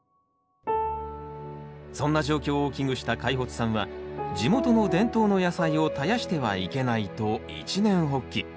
そんな状況を危惧した開發さんは地元の伝統の野菜を絶やしてはいけないと一念発起。